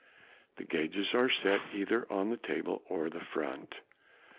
The gauges are set either on the table or in front.